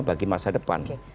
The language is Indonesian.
bagi masa depan